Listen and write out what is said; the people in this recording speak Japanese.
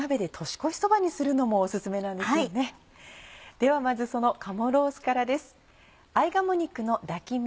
ではまずその鴨ロースからです。